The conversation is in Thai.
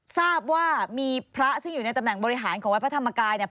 ทราบว่ามีพระซึ่งอยู่ในตำแหน่งบริหารของวัดพระธรรมกายเนี่ย